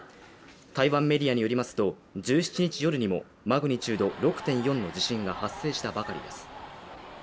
台湾メディアによりますと１７日夜にもマグニチュード６．４の地震が発生したばかりです。